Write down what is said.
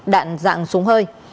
đạn dạng súng hơi